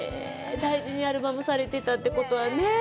大事にアルバムされてたってことはね。